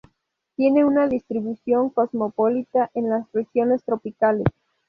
Tiene una distribución cosmopolita en las regiones tropicales.